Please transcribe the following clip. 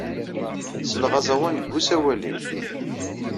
Sseleɣ aẓawan deg usawal-inu.